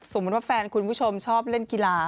ว่าแฟนคุณผู้ชมชอบเล่นกีฬา